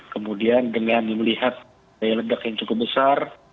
kemudian dengan melihat daya ledak yang cukup besar